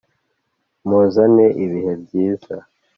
muzane ibihe byiza